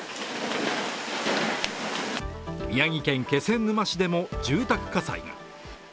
宮城県気仙沼市でも住宅火災が。